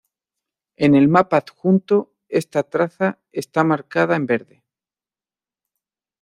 En el mapa adjunto esta traza está marcada en verde.